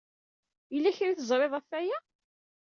Yella kra ay teẓrid ɣef waya?